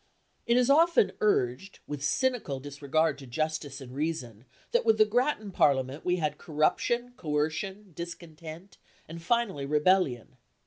It is often urged, with cynical disregard to justice and reason, that with the Grattan Parliament we had corruption, coercion, discontent, and finally rebellion.